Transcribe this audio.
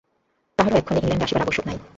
কাহারও এক্ষণে ইংলণ্ডে আসিবার আবশ্যক নাই।